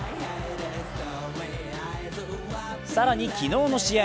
更に昨日の試合